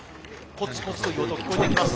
コツコツという音が聞こえてきます。